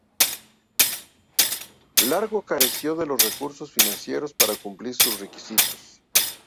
Largo careció de los recursos financieros para cumplir sus requisitos.